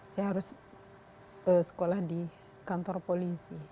saya harus sekolah di kantor polisi